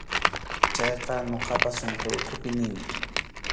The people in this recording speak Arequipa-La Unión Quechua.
Chayqa ñuqapas sunquy ukhupi nini.